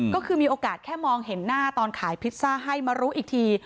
ก็คือมีโอกาสแค่มองเห็นหน้าตอนขายพิซซ่าให้มารู้อีกที